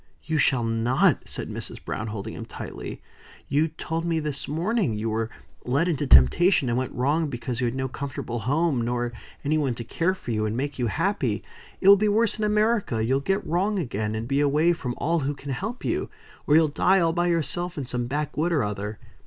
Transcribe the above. "You shall not," said Mrs. Browne, holding him tightly. "You told me this morning you were led into temptation, and went wrong because you had no comfortable home, nor any one to care for you, and make you happy. It will be worse in America. You'll get wrong again, and be away from all who can help you. Or you'll die all by yourself, in some backwood or other.